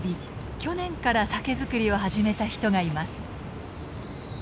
去年から酒造りを始めた人がいます。